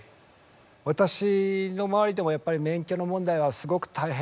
私の周りでもやっぱり免許の問題はすごく大変。